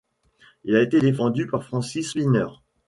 Il a été défendu par Francis Szpiner.